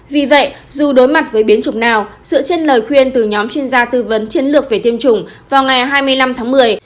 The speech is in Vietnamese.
vì vậy dù đối mặt với biến chủng nào dựa trên lời khuyên từ nhóm chuyên gia tư vấn chiến lược về tiêm chủng vào ngày hai mươi năm tháng một mươi